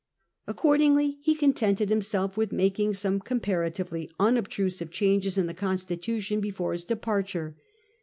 Accordingly he contented himself with making some com paratively unobtrusive changes in the constitution before his departure.